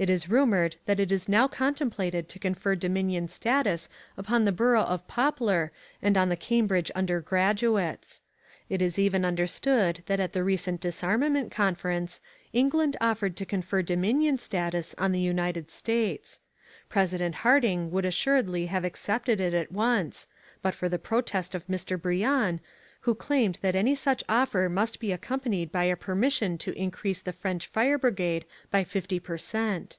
It is rumoured that it is now contemplated to confer dominion status upon the Borough of Poplar and on the Cambridge undergraduates. It is even understood that at the recent disarmament conference England offered to confer dominion status on the United States. President Harding would assuredly have accepted it at once but for the protest of Mr. Briand, who claimed that any such offer must be accompanied by a permission to increase the French fire brigade by fifty per cent.